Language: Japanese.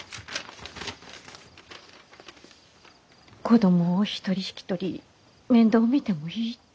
子供を１人引き取り面倒を見てもいいって。